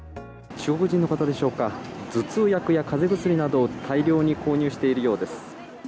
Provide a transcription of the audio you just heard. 中国人の方でしょうか、頭痛薬や風邪薬などを大量に購入しているようです。